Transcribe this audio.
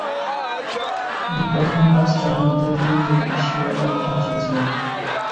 আপনি প্রথম পাঁচ জনের মধ্যে তিন জন এশিয়-আমেরিকান হিসাবে ছিলেন।